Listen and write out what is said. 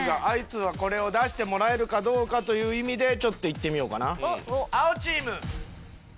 あいつはこれを出してもらえるかどうかという意味でちょっと行ってみようかな青チーム。